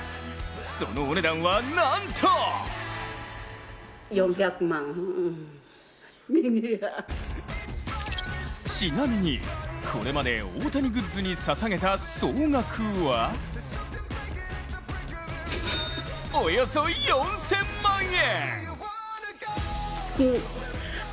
そのお値段はなんとちなみに、これまで大谷グッズにささげた総額はおよそ４０００万円！